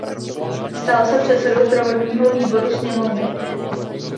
Stal se předsedou zdravotního výboru sněmovny.